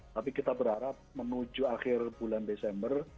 tapi kita berharap menuju akhir bulan desember